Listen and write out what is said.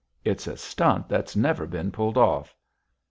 It's a stunt that's never been pulled off."